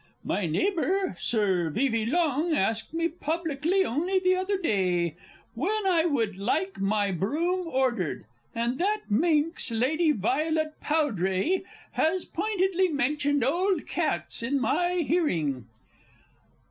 My neighbour, Sir Vevey Long, asked me publicly only the other day "when I would like my broom ordered," and that minx, Lady Violet Powdray, has pointedly mentioned old cats in my hearing!